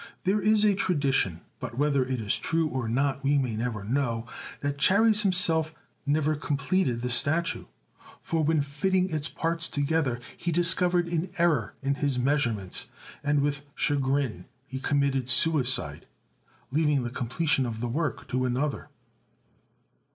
There is a tradi tion, but whether it is true or not we may never know, that Chares himself never completed the statue, for when fitting its parts together, he discovered an error in his measurements, and with chagrin he committed suicide, leaving the com pletion of the work to another.